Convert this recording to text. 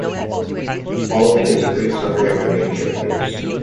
The following is a brief summary of the main characters.